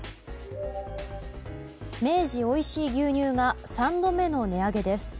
明治おいしい牛乳が３度目の値上げです。